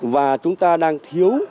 và chúng ta đang thiếu